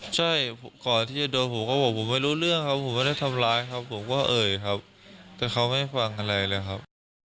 ใช่ก่อนที่จะโดนผมก็บอกผมไม่รู้เรื่องครับผมไม่ได้ทำร้ายครับผมก็เอ่ยครับแต่เขาไม่ฟังอะไรเลยครับ